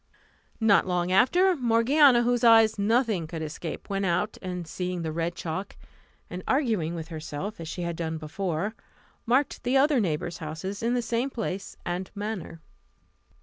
Not long after, Morgiana, whose eyes nothing could escape, went out, and seeing the red chalk, and arguing with herself as she had done before, marked the other neighbours' houses in the same place and manner.